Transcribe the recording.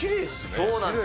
そうなんです。